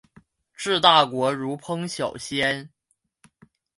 治大国如烹小鲜。